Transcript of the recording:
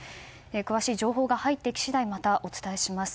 詳しい情報が入ってき次第またお伝えします。